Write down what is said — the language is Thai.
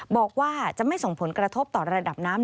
บอกว่าจะไม่ส่งผลกระทบต่อระดับน้ำ